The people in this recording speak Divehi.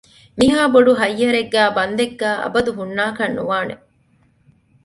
މިހާ ބޮޑު ހައްޔަރެއްގައި ބަންދެއްގައި އަބަދު ހުންނާކަށް ނުވާނެ